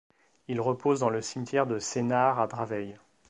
Il repose dans le cimetière de Sénart à Draveil.